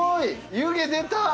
湯気出た！